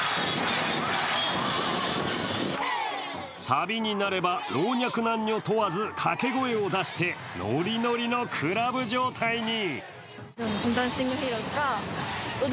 サビになれば老若男女問わず掛け声を出して、ノリノリのクラブ状態に。